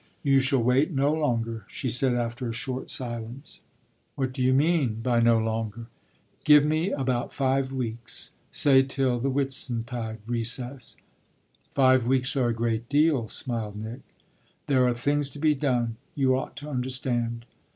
"You shall wait no longer," she said after a short silence. "What do you mean by no longer?" "Give me about five weeks say till the Whitsuntide recess." "Five weeks are a great deal," smiled Nick. "There are things to be done you ought to understand."